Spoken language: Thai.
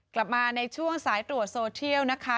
กลับมาในช่วงสายตรวจโซเทียลนะคะ